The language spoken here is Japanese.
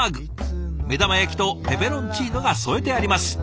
目玉焼きとペペロンチーノが添えてあります。